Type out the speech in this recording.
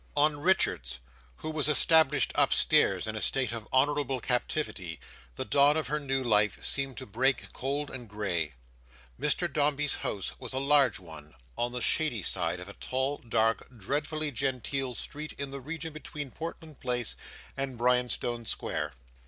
On Richards, who was established upstairs in a state of honourable captivity, the dawn of her new life seemed to break cold and grey. Mr Dombey's house was a large one, on the shady side of a tall, dark, dreadfully genteel street in the region between Portland Place and Bryanstone Square.